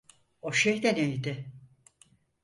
O şey de neydi?